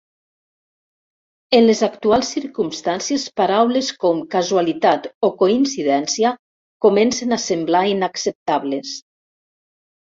En les actuals circumstàncies paraules com casualitat o coincidència comencen a semblar inacceptables.